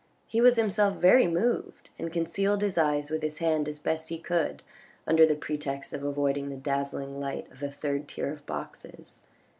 He was himself very moved, and concealed his eyes with his hand as best he could under the pretext of avoiding the dazzling light of the third tier of boxes.